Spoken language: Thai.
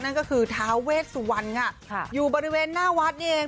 นั่นก็คือท้าเวชสุวรรณค่ะอยู่บริเวณหน้าวัดนี่เอง